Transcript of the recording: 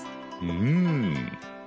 うん。